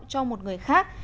cho một người khác